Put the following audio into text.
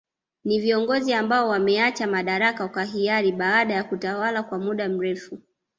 Ni viongozi ambao wameacha madaraka kwa hiari baada ya kutawala kwa muda mrefu